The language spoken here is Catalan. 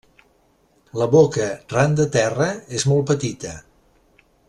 La boca, ran de terra, és molt petita.